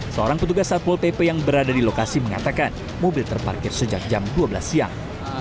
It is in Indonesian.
seorang petugas satpol pp yang berada di lokasi mengatakan mobil terparkir sejak jam dua belas siang